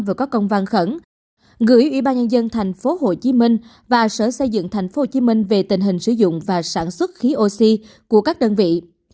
và các công văn khẩn gửi ủy ban nhân dân thành phố hồ chí minh và sở xây dựng thành phố hồ chí minh về tình hình sử dụng và sản xuất khí oxy của các đơn vị